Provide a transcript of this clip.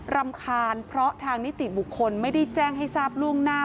รำคาญเพราะทางนิติบุคคลไม่ได้แจ้งให้ทราบล่วงหน้า